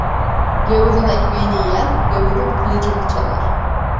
Gavurun ekmeğini yiyen gavurun kılıcını çalar.